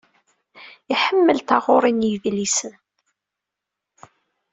Iḥemmel taɣuṛi n yedlisen.